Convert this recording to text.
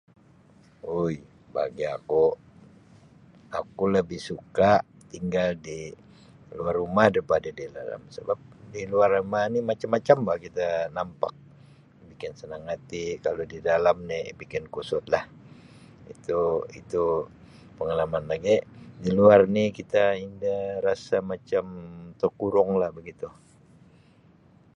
oi bagi aku aku lebih suka tinggal di luar rumah daripada di dalam sebab di luar rumah ni macam-macam bah kita nampak bikin senang hati kalau di dalam ni bikin kusut lah itu itu pengalaman lagi di luar ni kita inda rasa macam tekurung lah begitu.